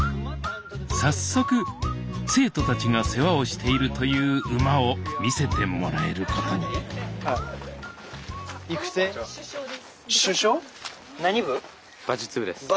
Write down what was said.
早速生徒たちが世話をしているという馬を見せてもらえることにこんにちは。